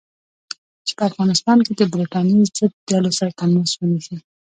چې په افغانستان کې د برټانیې ضد ډلو سره تماس ونیسي.